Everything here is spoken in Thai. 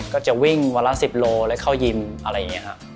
ก็จะวิ่งวันละ๑๐โลและเข้ายิมอะไรอย่างนี้ครับ